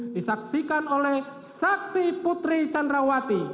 disaksikan oleh saksi putri candrawati